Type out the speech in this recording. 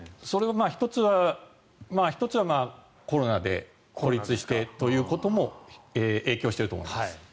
それは１つはコロナで孤立してということも影響していると思います。